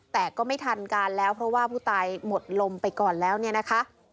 แต่ก็ไม่ทันการแล้วเพราะว่าผู้ตายหมดลมไปก่อนแล้วเนี่ยนะคะ